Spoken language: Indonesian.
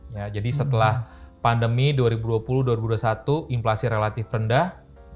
ya jadi setelah pandemi dua ribu dua puluh dua ribu dua puluh satu inflasi relatif rendah